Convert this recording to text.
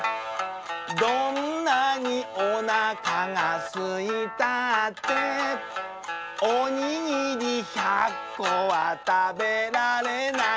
「どんなにおなかがすいたって」「おにぎり１００こはたべられない」